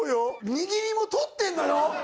握りも撮ってんのよ